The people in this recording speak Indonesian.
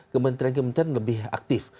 kementerian kementerian lebih aktif